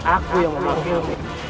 aku yang memanggilmu